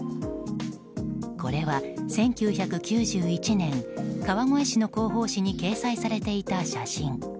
これは１９９１年川越市の広報誌に掲載されていた写真。